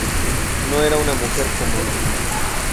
No era una mujer común".